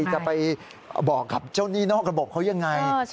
จะไปบอกกับเจ้าหนี้นอกระบบเขายังไง